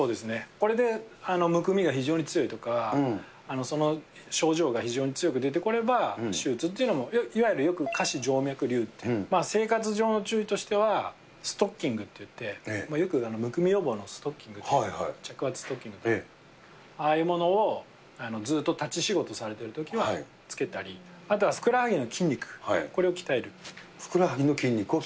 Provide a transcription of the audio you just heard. これでむくみが非常に強いとか、その症状が非常に強く出てくれば、手術というのも、いわゆるよく下肢静脈瘤っていう、生活上の注意としてはストッキングっていって、よくむくみ予防のストッキングって、着圧ストッキングというのを、ああいうものをずっと立ち仕事されてるときはつけたり、あとはふふくらはぎの筋肉を鍛える。